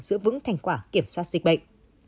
giữ vững thành quả kiểm soát dịch bệnh